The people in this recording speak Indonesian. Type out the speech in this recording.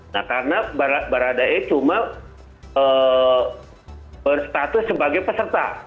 nah karena barada e cuma berstatus sebagai peserta